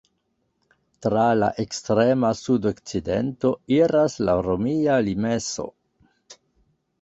Tra la ekstrema sudokcidento iras la romia limeso.